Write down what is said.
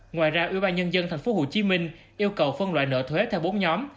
ngoài ra ủy ban nhân dân tp hcm yêu cầu phân loại nợ thuế theo bốn nhóm